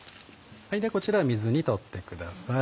こちらは水に取ってください